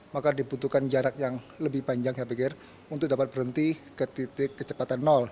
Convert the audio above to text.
maka dibutuhkan jarak yang lebih panjang saya pikir untuk dapat berhenti ke titik kecepatan